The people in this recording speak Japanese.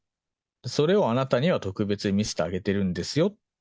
それをあなたには特別に見せてあげてるんですよって